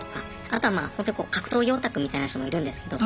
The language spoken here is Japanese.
あとはまあ格闘技オタクみたいな人もいるんですけど。